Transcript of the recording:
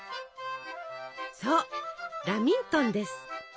そうラミントンです。